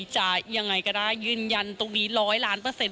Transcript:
จะยังไงก็ได้ยืนยันตรงนี้ร้อยล้านเปอร์เซ็น